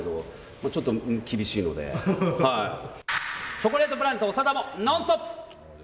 チョコレートプラネット長田も「ノンストップ！」。